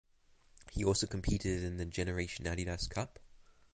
He also competed in the Generation Adidas Cup.